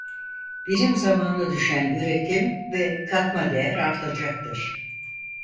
Birim zamana düşen üretim ve katma değer artacaktır.